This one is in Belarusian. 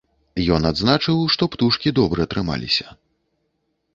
Ён адзначыў, што птушкі добра трымаліся.